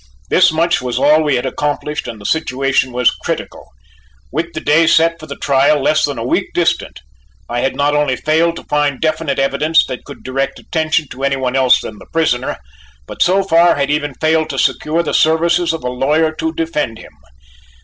This much was all we had accomplished and the situation was critical. With the day set for the trial less than a week distant, I had not only failed to find definite evidence that could direct attention to any one else than the prisoner, but so far had even failed to secure the services of a lawyer to defend him.